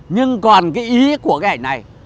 nhưng còn cái ý của cái ảnh này